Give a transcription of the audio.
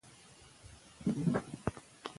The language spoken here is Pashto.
پښتو کلتوري ښکلا لري.